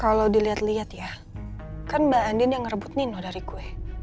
kalau dilihat lihat ya kan mbak andin yang ngerebut nino dari kue